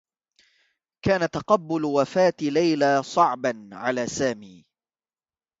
كان تقبّل وفاة ليلى صعبا على سامي